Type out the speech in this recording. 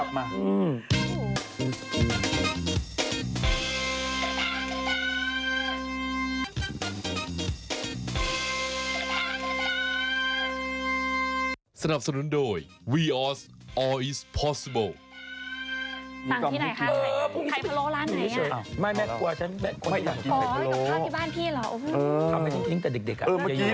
ทำให้ชิ้นแต่เด็กอะ